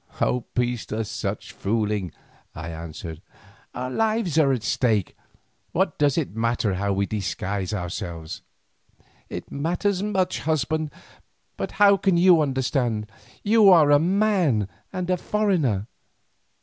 "A peace to such fooling," I answered; "our lives are at stake, what does it matter how we disguise ourselves?" "It matters much, husband, but how can you understand, who are a man and a foreigner?